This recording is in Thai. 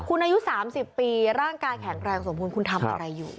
คุณอายุ๓๐ปีร่างกายแข็งแรงสมบูรณคุณทำอะไรอยู่